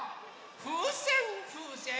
ふうせんふうせん。